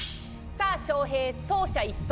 さぁ翔平走者一掃。